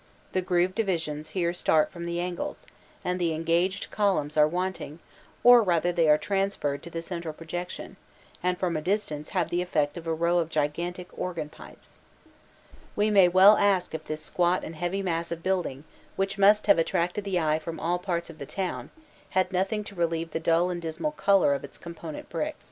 The grooved divisions here start from the angles, and the engaged columns are wanting, or rather they are transferred to the central projection, and from a distance have the effect of a row of gigantic organ pipes. We may well ask if this squat and heavy mass of building, which must have attracted the eye from all parts of the town, had nothing to relieve the dull and dismal colour of its component bricks. [Illustration: 252.